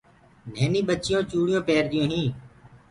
ننيني ٻچونٚ چوُڙيونٚ پيرديونٚ هينٚ۔